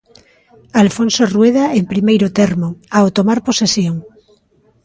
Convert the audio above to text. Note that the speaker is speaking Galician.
Alfonso Rueda, en primeiro termo, ao tomar posesión.